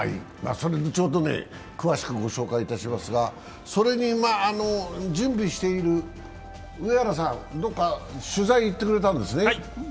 それでちょうどね詳しく紹介しますがそれに、準備している上原さん、どこか取材に行ってくれたんですね。